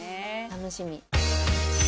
楽しみ。